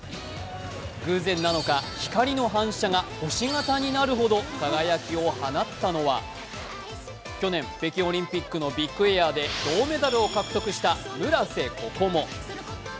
偶然なのか、光の反射が星形になるほど輝きを放ったのは去年、北京オリンピックのビッグエアで銅メダルを獲得した村瀬心椛。